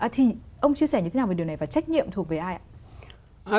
thì ông chia sẻ như thế nào về điều này và trách nhiệm thuộc về ai ạ